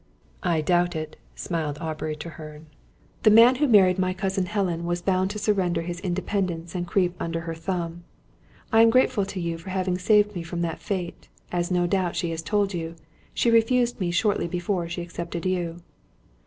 "I doubt it," smiled Aubrey Treherne. "The man who married my cousin Helen, was bound to surrender his independence and creep under her thumb. I am grateful to you for having saved me from that fate. As no doubt she has told you, she refused me shortly before she accepted you."